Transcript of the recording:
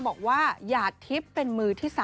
บอกว่าหยาดทิศเป็นมือที่๓